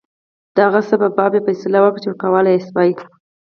د هغه څه په باب یې فیصله وکړه چې ورکولای یې شوای.